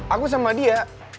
aku sama dia